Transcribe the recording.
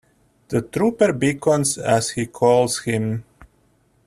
The trooper beckons as he calls him.